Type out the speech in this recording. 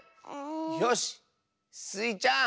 よしスイちゃん。